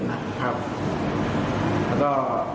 แล้วก็